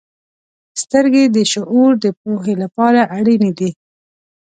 • سترګې د شعور د پوهې لپاره اړینې دي.